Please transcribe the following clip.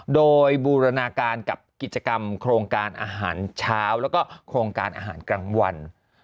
โดยบูรณาการกับกิจกรรมโครงการอาหารเช้าแล้วก็โครงการอาหารกลางวัน